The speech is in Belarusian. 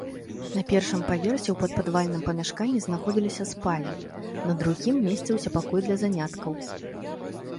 На першым паверсе ў паўпадвальным памяшканні знаходзіліся спальні, на другім месціўся пакой для заняткаў.